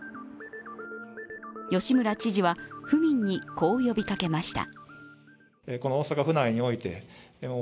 吉村知事は府民に、こう呼びかけました。